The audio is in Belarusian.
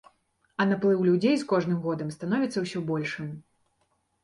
А наплыў людзей з кожным годам становіцца ўсё большым.